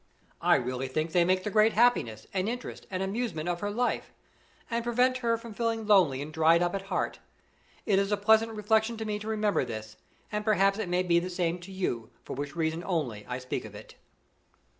I really think they make the great happiness, and interest, and amusement of her life, and prevent her from feeling lonely and dried up at heart. It is a pleasant reflection to me to remember this, and perhaps it may be the same to you, for which reason only I speak of it.